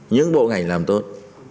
những bộ ngành làm tốt